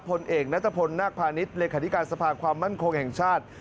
ผลเอกณพนพาณิชย์เลยคัติการสภาคความมั่นคงแห่งชาติ